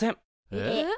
えっ？